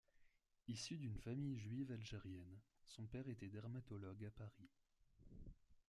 Issu d’une famille juive algérienne, son père était dermatologue à Paris.